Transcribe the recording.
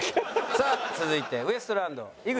さあ続いてウエストランド井口。